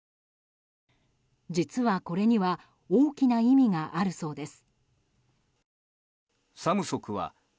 実は、これには大きな意味があるそうです。